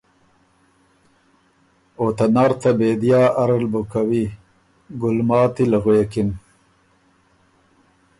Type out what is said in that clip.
او ”ته نر ته بېدیا اره ل بُو کوی“ ګلماتی ل غوېکِن۔